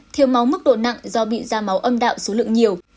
thiếu máu mức độ nặng do bị da máu âm đạo số lượng nhiều